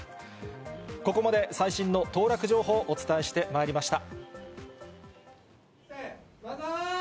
ここまで最新の当落情報、お伝えしてまいりました。